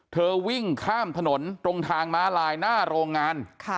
วิ่งข้ามถนนตรงทางม้าลายหน้าโรงงาน